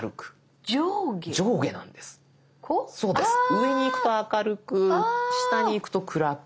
上にいくと明るく下にいくと暗く。